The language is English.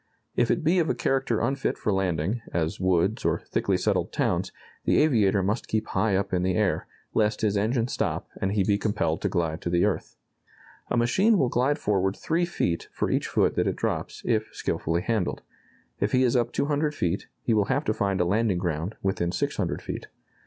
If it be of a character unfit for landing, as woods, or thickly settled towns, the aviator must keep high up in the air, lest his engine stop and he be compelled to glide to the earth. A machine will glide forward 3 feet for each foot that it drops, if skilfully handled. If he is up 200 feet, he will have to find a landing ground within 600 feet.